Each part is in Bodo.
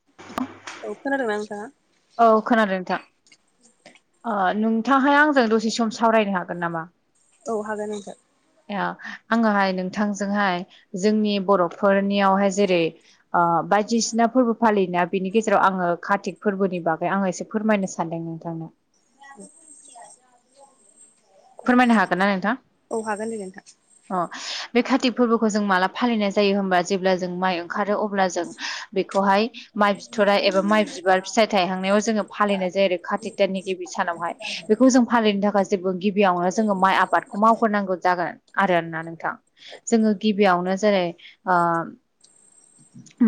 [inaudible] औ खोनादों ना नोंथाङा? औ खोनादों नोंथां। ओ नोंथांहा आंजों दसे सम सावरायनो हागोन नामा? औ हागोन नोंथां। आङोहाय नोंथांजोंहाय जोंनि बर'फोरनियावहाय जेरै ओ बायदिसिना फोरबो फालियोना बिनि गेजेराव आङो कातिक फोरबोनि बागै आङो एसे फोरमायनो सानदों नोंथांनो। फोरमायनो हागोन ना नोंथां? औ हागोन दे नोंथां। अ बे कातिक फोरबोखौ जों माला फालिनाय जायो होमबा जेब्ला जों माइ ओंखारो अब्ला जों बेखौहाय माइ बिथराइ एबा माइ बिबार फिथाइ थायहांनायाव जोङो फालिनाय जायो आरो खाथितनि दाननि गिबि सानावहाय बेखौ जों फालिनो थाखाय जेबो गिबि गिबियावनो जोङो माइ आबादखौ मावग्रोनांगौ जागोन आरोना नोंथां जोङो गिबियावनो जेरै ओ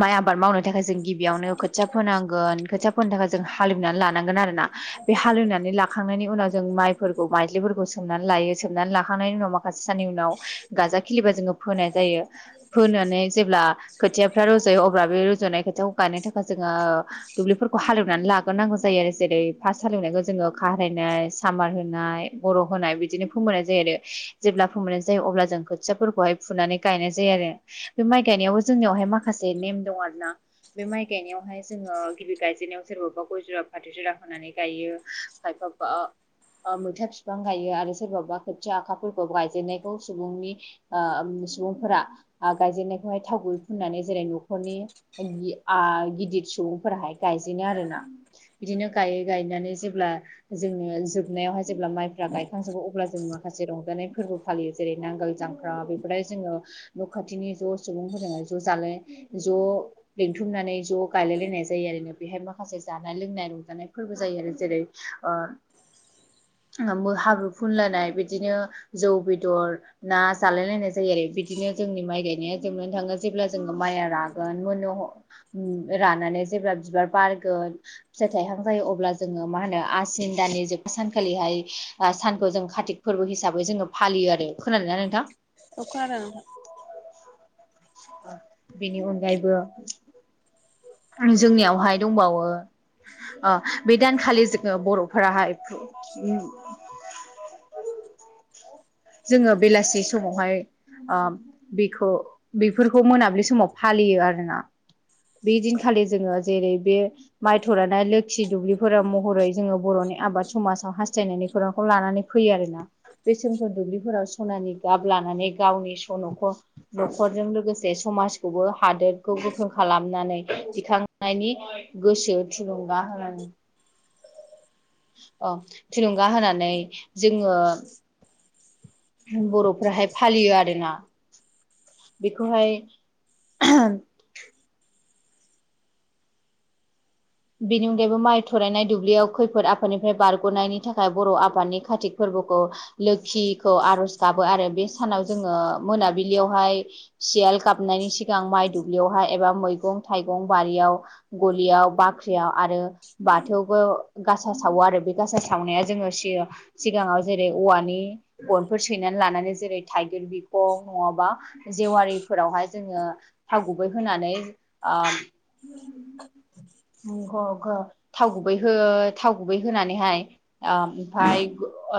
माइ आबाद मावनो थाखाय जों गिबियावनो खोथिया फोनांगोन खोथिया फोनो थाखाय जों हाल एवनानै लानांगोन आरोना बे हाल एवनानै लाखांनायनि उनाव जों माइफोरखौ माइज्लिफोरखौ सोमनानै लायो सोमनानै लाखांनायनि उनाव माखासे साननि उनाव गाजा खिलिबा जोङो फोनाय जायो फोनानै जेब्ला खोथिया रज'यो अब्ला बे रज'नाय खोथियाखौ गायनो थाखाय जोङो दुब्लिफोरखौ हाल एवनानै लाग्रोनांगौ जायो आरो जेरै फार्स्ट हाल एवनायखौ जोङो खारायनाय, सामार होनाय बर' होनाय बिदिनो फोमोननाय जायो आरो जेब्ला फोमोननाय जायो अब्ला जों खोथियाफोरखौहाय फुनानै गायनाय जायो आरो बे माइ गायनायाबबो जोंनियावहाय माखासे नेम दं आरोना बे माइ गायनायावहाय जोङो गिबि गायजेननायाव सोरबाबा गय जरा फाथै जरा होनानै गायो खायफाबा ओ‌ मैथा बिफां गायो आरो सोरबाबा खोथिया आखाफोरखौ गायजेननायखौ सुबुंनि ओ सुबुंफोरा गायजेननायखौहाय थाव गुबै फुननानै जेरै न'खरनि आ गिदिर सुबुंफोराहाय गायजेनो आरोना बिदिनो गायो गायनानै जेब्ला जोंनो जोबनायावहाय जेब्ला माइफ्रा गायखांजोबो अब्ला जों माखासे रंजानाय फोरबो फालियो जेरै नांगोल जांख्रा बेफोरयाह जोङो न' खाथिनि ज' सुबुंफोरजों ज' जालायनाय ज' लिंथुमनानै ज' गायलाय लायनाय जायो आरो बेहाय माखासे जानाय लोंनाय रंजानायफोरबो जायो आरो जेरै ओ हाब्रु फुनलायनाय बिदिनो जौ बेदर ना जालायलायनाय जायो आरो बिदिनो जोंनि माइ गायनाया जोबनानै थाङो जेब्ला जों माइया रागोन मोनो ह रानानै जेब्ला बिबार बारगोन फिथाइ थाइहां जायो अब्ला जोङो मा होनो आसिन दाननि जोबथा सानखालिहाय सानखौ जों खाथिक फोरबो हिसाबै जोङो फालियो आरो खोनादोंना नोंथां अ खोनादों बेनि अनगायैबो जोंनियावहाय दंबावो ओ बे दानखालि जोङो बर'फोराहाय जोङो बेलासि समावहाय ओ बेखौ बेफोरखौ मोनाबिलि समाव फालियो आरोना बे दिनखालि जोंङो जेरै बे माइ थरानाय लोखि दुब्लिफोरा महरै जोङो बर'नि आबाद समाजाव हास्थायनायनि खौरांखौ लानानै फैयो आरोना बे सोमखोर दुब्लिफोराव सनानि गाब लानानै गावनि सन'खौ न'खरजों लोगोसे समाजखौबो हादोरखौ गोख्रों खालामनानै दिखांनायनि गोसो थुलुंगा होनानै ओ थुलुंगा होनानै जोङो जों बर'फोराहाय फालियो आरोना बेखौहाय बिनि अनगायैबो माइ थरायनाय दुब्लियाव खैफोद आफादनिफ्राय बारग'नायनि थाखाय बर' आफादनि कातिक फोर्बोखौ लोखिखौ आर'ज गाबो आरो बे सानाव जोङो मोनाबिलियावहाय सियाल गाबनायनि सिगां माइ दुब्लियावहाय एबा मैगं थाइगं बारियाव गलिया बा ख्रियाव आरो बाथौआवबो गासा सावो आरो बे गासा सावनाया जोंङो सि सिगांयाव जेरै औवानि गनफोर सैनानै लानानै जेरै थाइगिर बिखं नङाबा जेवारिफोरावहाय जोंङो थाव गुबै होनानै आ थाव गुबै हो थाव गुबै होनानैहाय आ ओमफ्राय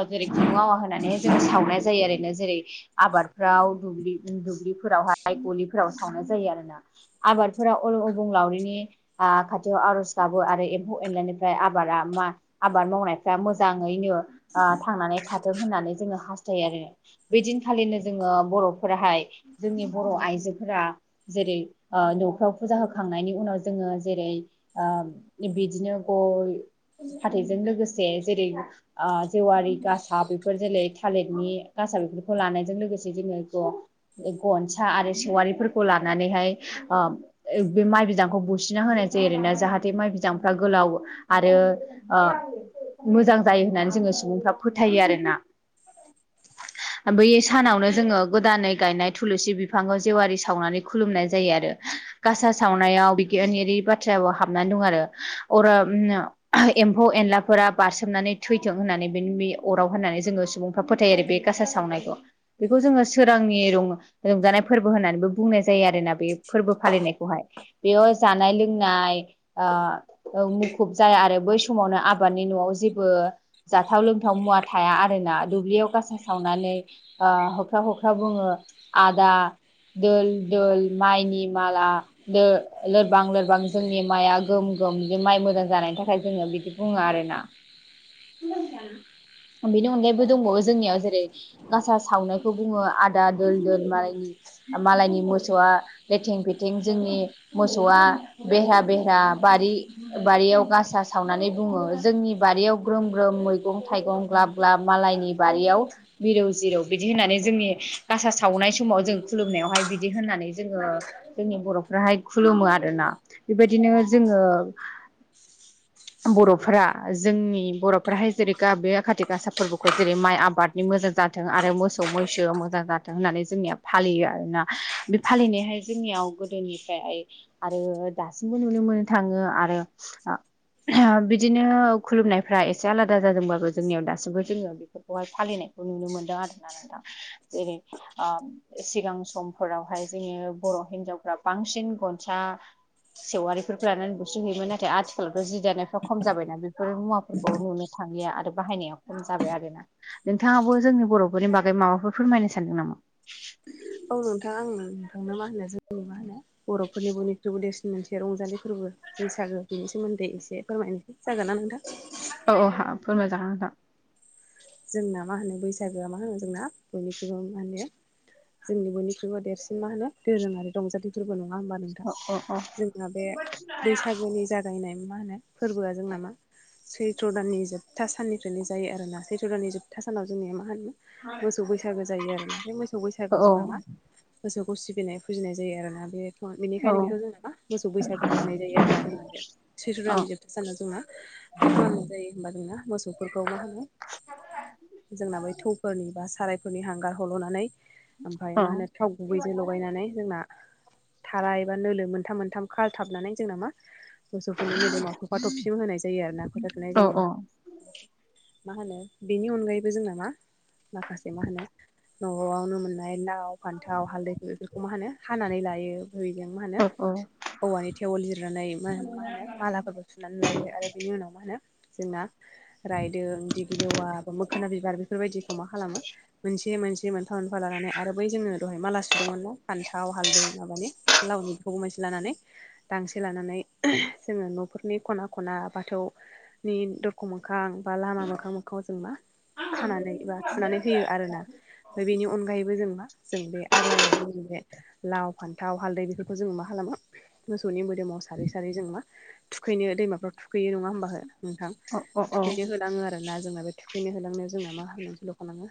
जेरै खुन्दुं आवा होनानैहाय जोङो सावनाय जायो आरोरैनो जेरै आबादफ्राव द दुब्लिफोरावहाय गलिफोराव सावनाय जायो आरोना। आबादफोरा अबुंलावरिनि आ खाथि खाथियाव आरज गाबो आरो एम्फौ एनलानिफ्राय आबादा मा आबाद मावनायफ्रा मोजाङैनो थांनानै थाथों होननानै जोङो हास्थायो आरो बेदिनखालिनो जोङो बर' फोराहाय जोंनि बर' आइजोफोरा जेरै न'फोव फुजा होखांनायनि उनाव जोङो जेरै बिदिनो गय फाथोयजों लोगोसे जेरै जेवारि गासा बेफोर जेरै थालिरनि गासा बेफोरखौ लानायजों लोगोसे जोङो गनसा आरो सेवारिफोरखौ लानानैहाय ओ बे माइ बिदांखौ बुसिना होनाय जायो ओरैना जाहाथे माइ बिदांफ्रा गोलाव आरो ओ मोजां जायो होननानै जोङो सुबुंफ्रा फोथायो आरोना बै सानावनो जोङो गोदानै गायनाय थुलुसि बिफांखौ जेवारि सावनानै खुलुमनाय जायो आरो। गासा सावनायाव बिगियानारि बाथ्राबो हाबनानै दं आरो अर एम्फौ एनलाफोरा बारसोमनानै थैथों होननानै बेनि बे अराव होननानै जोङो सुबुं फोरा फोथायो आरो बे गासा सावनायखौ बेखौ जोङो सोरांनि रंजानाय फोरबो होननानैबो बुंनाय जायो आरोना बे फोरबो फालिनायखौहाय बेयाव जानाय लोंनाय मुखुब जाया आरो बै समावनो आबादनि न'आव जेबो जाथाव लोंथाव मुवा थाया आरोना दुब्लियाव गासा सावनानै हख्रा हख्रा बुङो आदा दोल दोल माइनि माबा लोरबां लोरबां जोंनि माइआ गोम गोम बिदि माइ मोजां जानायनि थाखाय जोङो बिदि बुङो आरोना बेनि अनगायैबो दंबावो जोंनियाव जेरै गासा सावनायखौ बुङो आदा दोल दोन मालायनि मालायनि मोसौआ लेथें फेथें जोंनि मोसौआ बेहहा बेहहा बारि बारियाव गासा सावनानै बुङो जोंनि बारियाव ग्रोम ग्रोम मैगं-थाइगं ग्लाब ग्ला मालायनि बारियाव मिरौ जिरौ बिदि होननानै जोंनि गासा सावनाय समाव जों खुलुमनायावहाय बिदि होननानै जोङो जोंनि बर'फोराहाय खुलुमो आरोना बेबायदिनो जोङो बर'फ्रा जोंनि बर'फ्राहाय जेरै ग बे खाथि गासा फोरबोखौ जेरै माइ आबाद मोजां जाथों आरो मोसौ मैसो मोजां जाथों होननानै जोंनिया फालियो आरोना। बे फालिनायहाय जोंनियाव गोदोनिफ्राय आरो दासिमबो नुनो मोनो। थाङो आरो बिदिनो खुलुमनायफ्रा एसे आलादा जादोंबाबो जोंनियाव दासिमबो जोङो। बेफोरखौहाय फालिनायखौ नुनो मोनदों आर ना नोंथां जेरै ओ सिगां समफोरावहाय जोङो बर' हिनजावफ्रा बांसिन गनसा सेवारिफोरखौ लानानै बुसो होयो नाथाय आथिखालावथ' जि दानायफ्रा खम जाबायना बेफोर मुवाफोरखौ नुनो थांलिया आरो बाहायनाया खम जाबाय आरोना। नोंथाङाबो जोंनि बर'फोरनि बागै माबाफोर फोरमायनो सानदों नामा? औ नोंथां आङो नोंथांनो मा होनो जोंनि मा होनो बर'फोरनि बयनिख्रुइबो देरसिन मोनसे रंजालि फोरबो बैसागो बिनि सोमोन्दै एसे फोरमायनोसै जागोन ना नोंथां। औ औ फोरमायजागोन‌ नोंथां। जोंना मा होनो बैसागोआ मा होनो जोंना बयनिख्रुइबो मा होनो जोंनि बयख्रुयबो देरसिन मा होनो दोरोङारि रंजाथि फोरबो नङा होनबा नोंथां अ जोंना बे बैसागोनि जा जायनाय मा होनो फोरबोआ जोंना मा सैथ्र' दाननि जोबथा साननिफ्रायनो जायो आरोना। सैथ' द'नि जोबथा सानाव जोंनिया मा होनोमो मोसौ बैसागो जायो आरोना बे मोसौ अ बैसागोआव औ जोंना मा गोसोखौ सिबिनाय फुजिनाय जायो आरोना बे औ बेनिखायनो बेखौ जोंना मा मोसौ बैसागुबो होनाय जायो आरोना जों औ सैथदाननि जोबथा सानाव जोंना मा खालामनाय जायो होनबा जोंना मोसौफोरखौ मा होनो जोंना बै थौफोरनि बा सारायफोरनि हांगार हल'नानै ओमफ्राय मा होनो थाव गुबैजों लगायनानै जोंना थाराय एबा नोलो मोनथाम मोनथाम खाथाबनानै जोंना मा मोसौफोरनि मोदोमाव थफा थसिम होनाय जायो आरो ना। फोथा थुनाय औ जायो। मा होनो बेनि अनगायैबो जोंनामा माखासे मा होनो न'आवनो मोननाय लाव फान्थाव हालदै बेफोरखौ मा होनो हानानै लायो। बैजों मा होनो औ अ औवानि थेवल लिरनानै मा होनो मालाफोर सुनानै लायो आरो बिनि उनाव मा होनो जोंना रायदों दिगिलवा मोखोना बिबार बेफोरबायदिखौ मा खालामो मोनसे मोनसे मोनफा मोनफा लानानै आरो बै जोंनो दहाय माला सुदोंमोन ना फान्थाव हालदै माबानि लावनि बे मोनसे लानानै दांसे लानानै जोङो न'फोरनि खना खना बाथौनि द मोखां बा लामा मोखां मोखां जों मा खानानै बा थुनानै होयो आरोना ओमफ्राय बेनि अनगायैबो जों मा जों बे आग्लायनाय जोंनि बे लाव फान्थाव हालदै बेफोरखौ जोङो मा खालामो मोसौनि मोदोमाव सारै सारै जों मा थुखैनो दैमाफोराव थुखैयो नङा होनबा नोंथां? अ अ अ। लाङो आरो ना जोंना बे थुखैनो होलांनायाव जोंना मा खालामनानै होलाङो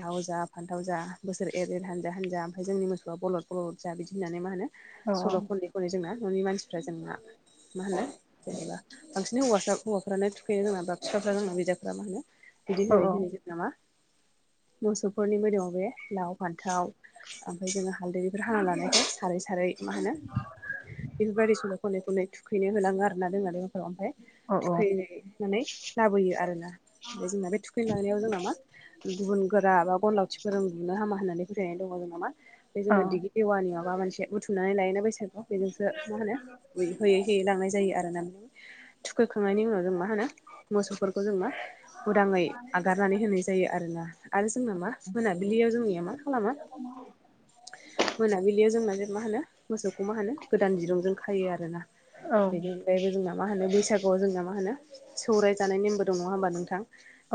लाव जा फान्थाव जा बोसोर एर एर हानजा हानजा ओमफ्राय जोंनि मोसौआ बलद बलद जा बिदि होननानै मा होनो सल' खननै खनै जोंना न'नि मानसिफ्रा जोंना मा होनो जेनेबा बांसिन हौवासा हौवाफ्रानो थुखैनो जोंना बा बिफाफ्रानो बिदाफ्रा मा होनो बिदि औ होनै औ होनै जोंना मा मोसौफोरनिबो मोदोमाव बे लाव फान्थाव ओमफ्राय जोङो हालदै खाना लानायजों सारै सारै मा होनो बेफोरबायदि सल' खनै खननै थुखैनो होलाङो आरोना जोंना बे ओमफ्राय औ थुखैहै लाबोयो आरो ना। ओमफ्राय जोंना बे थुखैलांनायाव जोंना मा गुबुन गोरा बा गन लावथिफोरों बुनो हामा होननानै फोथायनाय दङ जोंना मा। जोङो दिगि एवानियाव माबा मोनसे बुथुमनानै लायोना बैसागु बेजोंसो मा होनो होयै होयै लांनाय जायो आरो ना। थुखैखांनायनि उनाव जों मा होनो मोसौफोरखौ जों मा उदाङै आगारनानै होनाय जायो आरोना आरो जोंना मा मोनाबिलियाव जोंनिया मा खालामो। [unintelligible] मोनाबिलियाव जोंना जे मा होनो मोसौखौ मा होनो गोदान दिरुंजों खायो आरोना। औ बेनो ओमफ्रायबो जोंना मा होन बैागुआव जोंहा मा होनो सौराय जानाय नेमबो नङाहोमबा नोंथां?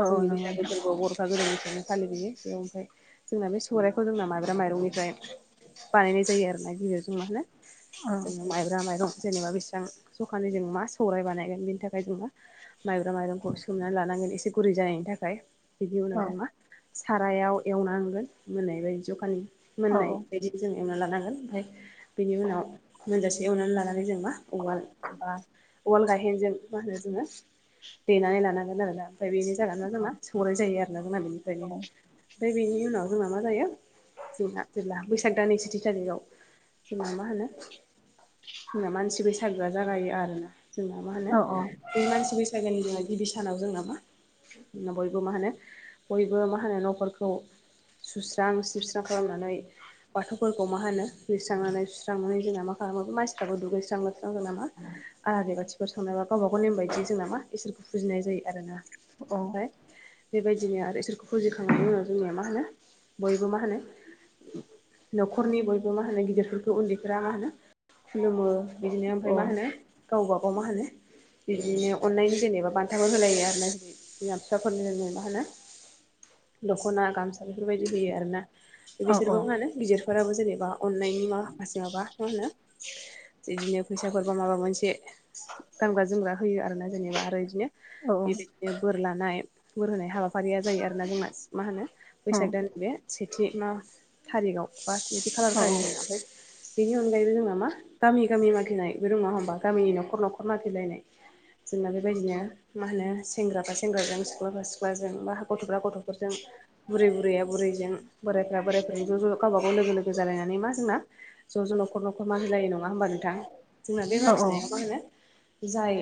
औ औ नंगौ बैसागो नोंथां। फोरबो बर'फा गोदान फालिबोयो बेयाव ओमफ्राय जोंना बे सौराइखौ जोंना माइब्रा माइरंनिफ्राय बानायनाय जायो आरोना बिदिरजों मा होनो अह। जोङो माइब्रा माइरं जेनेबा बेसेबां जखानै जों मा सौराय बानायगोन बेनि थाखाय जोङो। माइब्रा माइरंखौ सोमनानै लानानै एसे गुरै जानायनि थाखाय बिनि उनाव जों मा सारायाव एवनांगोन। मोननाय बायदि जखानि औ मोननाय बायदि जों एवना लानांगोन। ओमफ्राय बेनि उनाव लोगोसे एवनानै लानानै जों मा उवाल बा उवाल गायेनजों मा होनो जोङो देनानै लानांगोन आरोना ओमफ्राय बेनो जागोना औ जोंना सौराय जायो आरोना जोंना औ बेनिफ्रायनो ओमफ्राय बेनि उनाव जोंना मा जायो जोंना जेब्ला बैसाग दान सेथि थारिखआव जोंना मा होनो जोंना मानसि बैसागोआ जागायो आरोना जोंना मा होनो औ बे मानसि बैसागोनि गिबि सानाव जोंना मा बयबो मा होनो बयबो मा होनो न'फोरखौ सुस्रां सिबस्रां खालामनानै बाथौफोरखौ मा होनो लिस्रांनानै सुस्रांनानै जोंना मा खालामाबो मानसिफ्राबो दुगैस्रां लोबस्रांना जोंना मा आलारिबाथि बेफोर सावनायबा गावबा गाव नेम बायदि जोंना मा इसोरखौ फुजिनाय जायो आरो ना ओमफाय औ बेबायदिनो आरो इसोरखौ फुजिखांनायनि उनाव जोंनिया मा होनो बयबो मा होनो न'खरनि बयबो मा होनो गिदिरफोरखौ उन्दैफोरा मा होनो खुलुमो बिदिनो ओमफ्राय मा होनो गावबागाव मा होनो बिदिनो अननायनि जेनेबा बान बानथाबो होलायो आरो ना बिदिनो बिमा बिफाफोरनो मा होनो दखना गामसा बेफोरबायदि होयो आरोना बिसोरबो मा होनो गिदिरफोराबो जेनेबा अननायनि मा फासे माबा मा होनो बिदिनो फैसाफोरबा माबा मोनसे गानग्रा जोमग्रा होयो आरोना जेनेबा आरो बिदिनो बेयदिनो बोर लानाय बोर होनाय हाबाफारिया जायो आरोना जोंना मा होनो बैसाग दान बे सेथि मा थारिगाव बास सेथि खालार [unintelligible] बेनि अनगायैबो जोंना मा गामि गामि मगिनाय बे रोङा हबा गामिनि न'खर न'खर मागिलायनाय जोंना बेबायदिनो मा होनो सेंग्राफ्रा सेंग्राजों सिख्लाफ्रा सिख्लाजों बा गथ'फ्रा गथ'फो फोरजों बुरै बुरैया बुरैजों बोरायफोरा बोरायफोरजों ज' ज' गावबा गाव लोगो लोगो गो जालायनानै मा जोंना ज' ज' न'खर न'खर मा मिलायो नङा होमबा नोंथां। जोंना बे मागिनायाव मा होनो जाय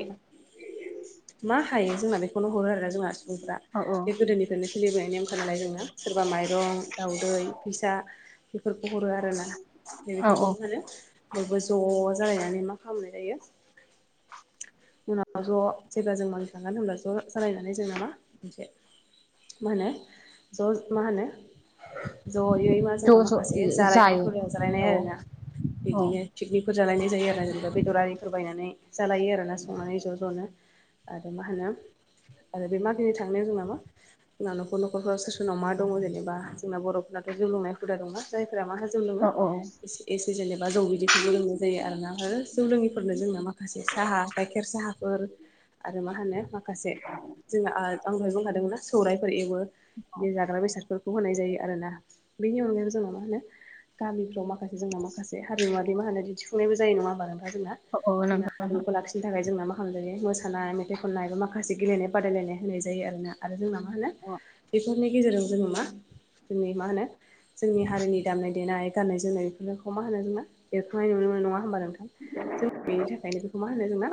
मा हायो जोंना बे खौनो हरो आरोना जोंहा सुबुंफ्रा औ बे गोदोनिफ्रायनो सोलिबोनाय नेम खालामनाय जोंना सोरबा माइरं, दाावदै फिसा बेफोरखौ हरो आरो ना। औ औ बेफोरखौबो फानो बयबो ज' जालायनानै मा खालामनाय जायो। उनाव ज' जेब्ला जों मागि खांगोन होनब्ला ज' जालायनानै जोंना मा मोनसे मा होनो ज' मा होनो जयै मा ज' जोंना माखासे ज' जालायनाय [unintelligible] जायो औ आरोना औ बिदिनो। पिकनिकफोर जालायनाय जायो आरो जेनेबा बेदर आरिफोर बायनानै जालायो आरोना संनानै ज' ज'नो। आरो मा होनो आरो बे मागिनि थांनायाव जोंना मा जोंना न'खर नखरफ्राव सोरनाव मा दङ जेनेबा जोंना बर'फोरनाथ' जौ लोंनाय हुदा दंना जायफोरा माहा जौ लोङो औ औ एसे एसे जेनेबा जौ बिदैफोरबो लोंनाय जायो आरोना जौ लोङैफोरनो जोंनो माखासे साहा गाइखेर साहा फोर आरो मा होनो माखासे जोंना आं दहाय बुंखादोंमोनना सौरायाइफोर एवो बिदिनो जाग्रा बेसादफोरखौ होनाय जायो आरोना। बेनि अनगायैबो जोंङो मा होनो गामिफ्राव माखासे जोंना माखासे हारिमुवारि मा होनो दिन्थिफुं फुंनायबो जायो नङाबा नोंथां जोंना नंगौ औ जोंना नंगौ। हारिमुखौ लाखिनो थाखाय जोंना मा खालाम जायो मोसानाय, मेथाइ खननायबो मा खालाम माखासे गेलेनाय बादायलायनाय होनाय जायो आरोना आरो जोंना मा होनो बेफोरनि गेजेरजों जोङो मा जोंनि मा होनो जोंनि हारिनि दामनाय देनाय गाननाय जोमनाय बेफोरखौ मा होनो जोंना एरखांनाय नुनो मोनो नङा होमबा नो थां जों बेनि थाखायनो बेखौ मा होनो जोंना